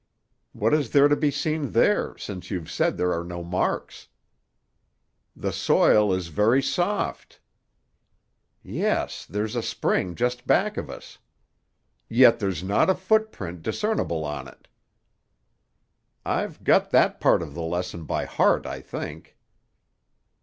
"What is there to be seen there, since you've said there are no marks?" "The soil is very soft." "Yes; there's a spring just back of us." "Yet there's not a footprint discernible on it." "I've got that part of the lesson by heart, I think."